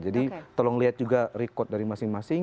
tolong lihat juga record dari masing masing